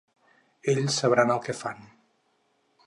Ells sabran el què fan.